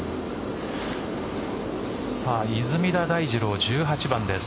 出水田大二郎、１８番です。